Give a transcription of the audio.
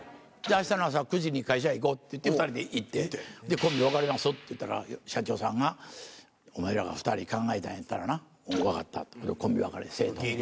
あしたの朝９時に会社行こうって言って、２人で行って、コンビ別れますって言ったら社長さんが、２人考えたんならな、分かった、コンビ別れせえと。